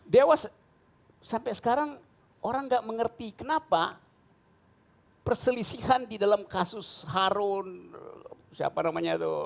dewas sampai sekarang orang nggak mengerti kenapa perselisihan di dalam kasus harun siapa namanya itu